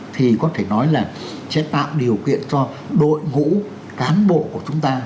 thì có thể nói là sẽ tạo điều kiện cho đội ngũ cán bộ của chúng ta